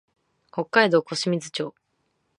北海道小清水町